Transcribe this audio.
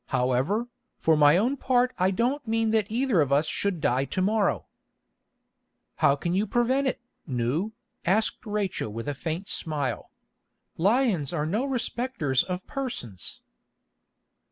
However, for my own part I don't mean that either of us should die to morrow." "How can you prevent it, Nou?" asked Rachel with a faint smile. "Lions are no respecters of persons."